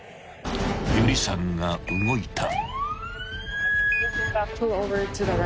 ［有理さんが動いた］